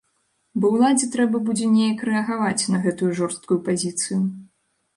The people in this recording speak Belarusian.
Бо ўладзе трэба будзе неяк рэагаваць на гэтую жорсткую пазіцыю.